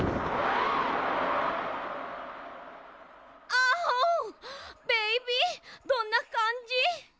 アオーベイビーどんなかんじ？